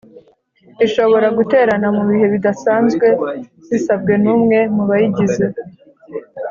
Ishobora guterana mu bihe bidasanzwe bisabwe n’umwe mu bayigize.